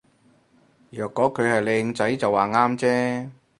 若果佢係靚仔就話啱啫